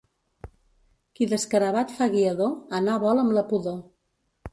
Qui d'escarabat fa guiador, anar vol amb la pudor.